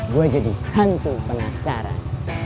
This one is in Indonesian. gue jadi hantu penasaran